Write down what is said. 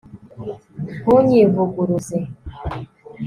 ntunyivuguruze